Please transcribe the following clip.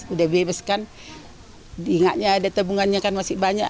udah bebas kan ingatnya ada tebungannya kan masih banyak